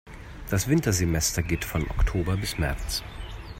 Das Wintersemester geht von Oktober bis März.